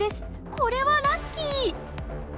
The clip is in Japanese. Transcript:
これはラッキー！